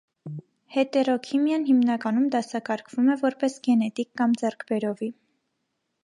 Հետերոքրոմիան հիմնականում դասակարգվում է որպես գենետիկ կամ ձեռքբերովի։